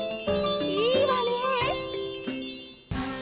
いいわね！